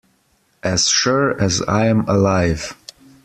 As sure as I am alive.